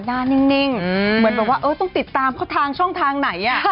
หน้านิ่งเหมือนแบบว่าเออต้องติดตามเขาทางช่องทางไหน